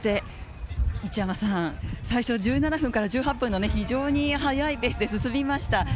一山さん、最初１７分から１８分の非常に速いペースで進みました。